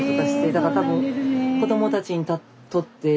だから多分子どもたちにとってうん。